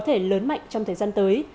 trong thời gian tới